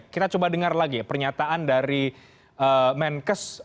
kita coba dengar lagi pernyataan dari menkes